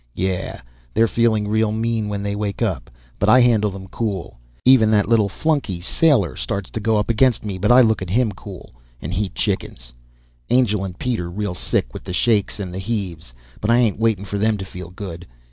Yeah, they're feeling real mean when they wake up, but I handle them cool. Even that little flunky Sailor starts to go up against me but I look at him cool and he chickens. Angel and Pete are real sick, with the shakes and the heaves, but I ain't waiting for them to feel good.